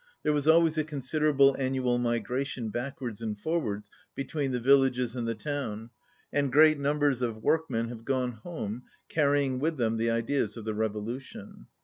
There was al ways a considerable annual migration backwards and forwards between the villages and the town, and great numbers of workmen have gone home, carrying with them the ideas of the revolution.